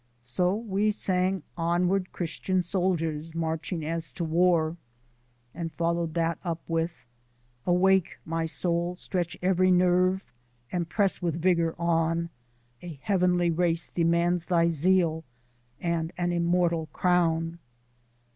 So we sang "Onward, Christian Soldier, Marching as to War," and followed up with: Awake, my soul, stretch every nerve And press with rigour on; A heavenly race demands thy zeal And an immortal crown.